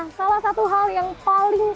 nah salah satu hal yang paling